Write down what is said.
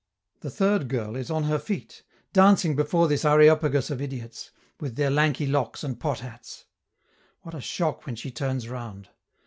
The third girl is on her feet, dancing before this areopagus of idiots, with their lanky locks and pot hats. What a shock when she turns round!